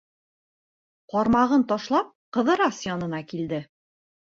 Ҡармағын ташлап, Ҡыҙырас янына килде.